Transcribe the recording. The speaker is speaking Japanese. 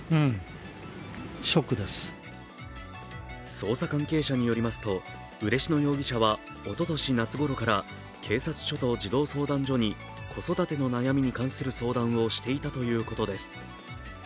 捜査関係者によりますと嬉野容疑者はおととし夏頃から警察署と児童相談所に子育ての悩みに関する相談をしていたということです。